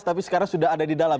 tapi sekarang sudah ada di dalam